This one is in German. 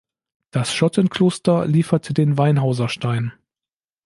Das Schottenkloster lieferte den Weinhauser-Stein.